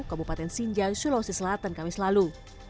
kabupaten sinjau sulawesi selatan kamis lalu